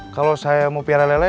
kalau saya mau piara lele